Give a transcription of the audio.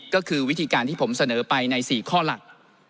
ก็คือวิธีการที่ผมเสนอไปใน๔ข้อหลัก